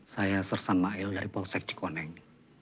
saya sir sam mail dari polsek cikwoneg